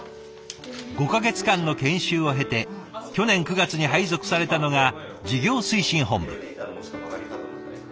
５か月間の研修を経て去年９月に配属されたのが事業推進本部。